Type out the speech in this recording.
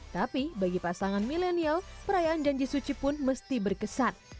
tapi bagi pasangan milenial perayaan janji suci pun mesti berkesan